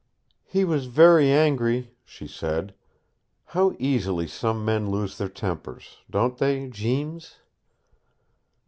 "He was very angry," she said. "How easily some men lose their tempers, don't they Jeems?"